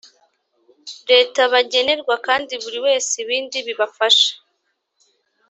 Leta bagenerwa kandi buri wese ibindi bibafasha